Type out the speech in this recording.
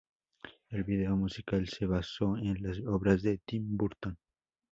El video musical se basó en las obras de Tim Burton.